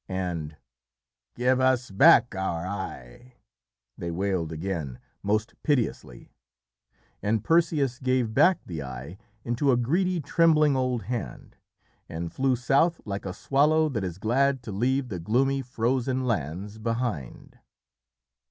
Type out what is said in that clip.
And "Give us back our eye!" they wailed again most piteously, and Perseus gave back the eye into a greedy trembling old hand, and flew south like a swallow that is glad to leave the gloomy frozen lands behind.